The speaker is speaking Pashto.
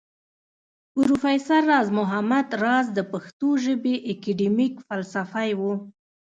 پروفېسر راز محمد راز د پښتو ژبى اکېډمک فلسفى و